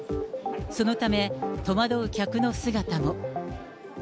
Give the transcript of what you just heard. そのため、戸惑う客の姿も。